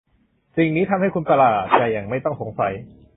สิ่งนี้ทำให้คุณประหลาดใจอย่างไม่ต้องสงสัย ?